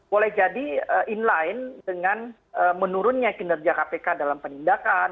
boleh jadi inline dengan menurunnya kinerja kpk dalam penindakan